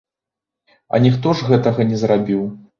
А ніхто ж гэтага не зрабіў.